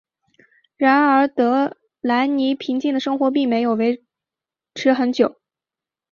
然而德莱尼平静的生活并没有持续很久。